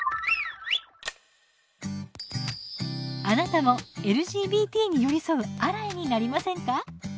あなたもＬＧＢＴに寄り添うアライになりませんか？